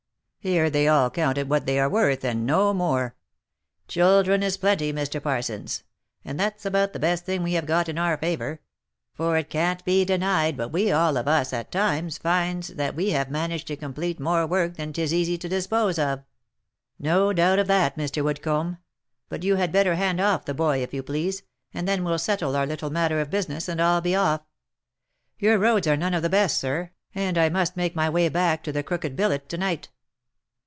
Here they all count at what they are worth, and no more. Children is plenty, Mr. Parsons ; and that's about the best thing we have got in our favour ; for it can't be denied but we all of us, at times, finds that we have managed to complete more work than 'tis easy to dispose of." " No doubt of that, Mr. Woodcomb. But you had better hand off the boy, if you please, and then we'll settle our little matter of busi ness, and I'll be off. Your roads are none of the best, sir, and I must make my way back to the Crooked Billet to night."